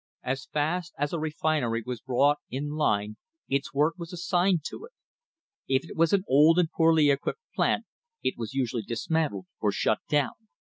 As fast as a refinery was brought in line its work was assigned to it. If it was an old and poorly equipped plant it was usually dismantled or shut down.